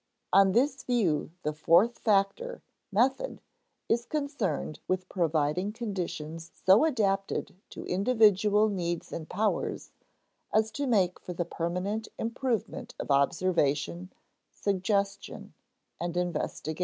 On this view the fourth factor, method, is concerned with providing conditions so adapted to individual needs and powers as to make for the permanent improvement of observation, suggestion, and investigation.